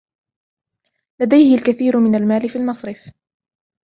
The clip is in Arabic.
لديه الكثير من المال في المصرف.